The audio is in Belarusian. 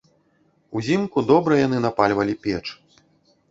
Узімку добра яны напальвалі печ.